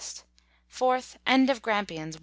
4th. End of Grampians, W.